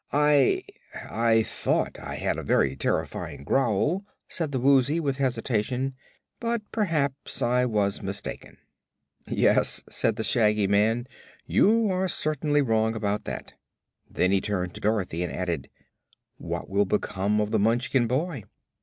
"I I thought I had a very terrifying growl," said the Woozy, with hesitation; "but perhaps I was mistaken." "Yes," said the Shaggy Man, "you were certainly wrong about that." Then he turned to Dorothy and added: "What will become of the Munchkin boy?"